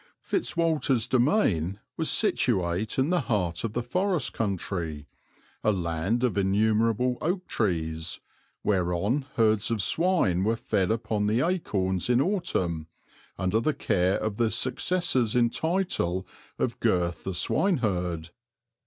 Fitz Walter's domain was situate in the heart of the forest country, a land of innumerable oak trees, whereon herds of swine were fed upon the acorns in autumn, under the care of the successors in title of Gurth the Swineherd.